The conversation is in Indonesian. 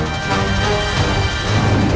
akan kau menang